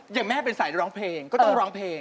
อย่างแม่เป็นสายร้องเพลงก็ต้องร้องเพลง